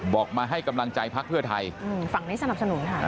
บอกมาให้กำลังใจพักเพื่อไทยฝั่งนี้สนับสนุนค่ะ